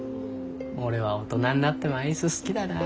俺は大人になってもアイス好きだな。